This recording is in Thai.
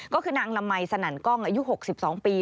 ก็คือนางละมัยสนั่นกล้องอายุ๖๒ปี